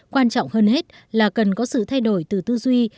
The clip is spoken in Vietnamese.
quan trọng hơn hết là cần có sự thay đổi từ tư duy